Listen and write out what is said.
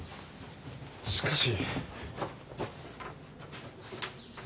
しかし。